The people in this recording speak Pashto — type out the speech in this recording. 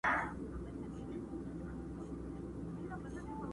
وروسته د کيسې اصلي روايت پيل کيږي او حالت نور هم سختيږي.